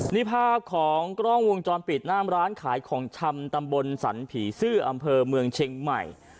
นี่ภาพของกล้องวงจรปิดหน้ามร้านขายของชำตำบลสรรผีซื่ออำเภอเมืองเชียงใหม่